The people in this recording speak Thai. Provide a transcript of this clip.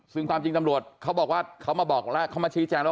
ซึ่งความจริงตำรวจเขาบอกว่าเขามาบอกแล้วเขามาชี้แจงแล้ว